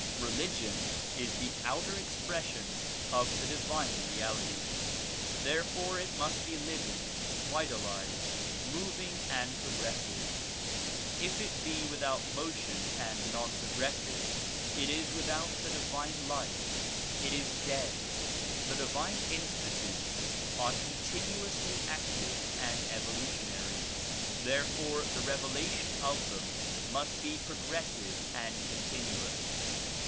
Religion is the outer expression of the divine reality. Therefore it must be living, vitalized, moving and progressive. If it be with out motion and non progressive it is without the divine life; it is dead. The divine institutes are continuously active and evolution ary ; therefore the revelation of them must be progressive and con tinuous.